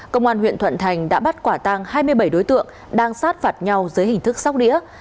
công an huyện thuận thành đã bắt quả tăng hai mươi bảy đối tượng đang sát phạt nhau dưới hình thức sóc đĩa